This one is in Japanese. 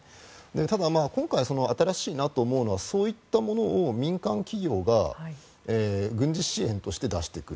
ただ、今回、新しいなと思うのはそういったものを民間企業が軍事支援として出してくる。